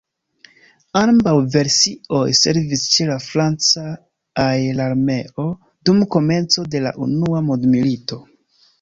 Ambaŭ versioj servis ĉe la franca aerarmeo dum komenco de la unua mondmilito.